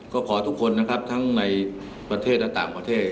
ก็ขอทุกคนนะครับทั้งในประเทศและต่างประเทศ